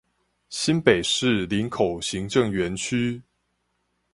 新北市林口行政園區